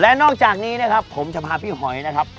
และนอกจากนี้นะครับผมจะพาพี่หอยนะครับ